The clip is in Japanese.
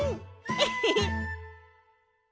エヘヘッ。